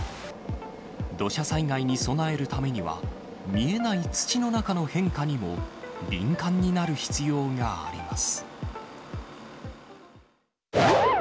土砂災害に備えるためには、見えない土の中の変化にも、敏感になる必要があります。